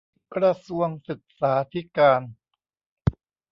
กระทรวงศึกษาธิการ